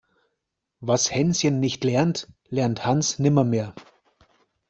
Was Hänschen nicht lernt, lernt Hans nimmermehr.